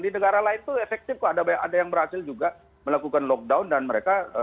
di negara lain itu efektif kok ada yang berhasil juga melakukan lockdown dan mereka